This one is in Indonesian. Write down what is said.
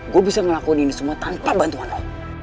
gue bisa ngelakuin ini semua tanpa bantuan allah